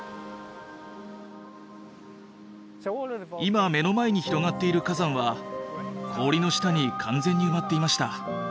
今目の前に広がっている火山は氷の下に完全に埋まっていました。